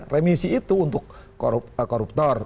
remisi itu untuk koruptor